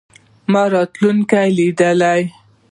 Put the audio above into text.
ما راتلونکې لیدلې.